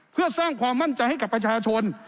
เพื่อสร้างความมั่นใจให้กับประชาชน